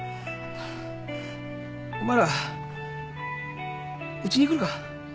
お前らうちに来るか？